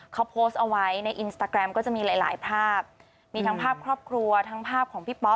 เขาโพสต์เอาไว้ในอินสตาแกรมก็จะมีหลายหลายภาพมีทั้งภาพครอบครัวทั้งภาพของพี่ป๊อป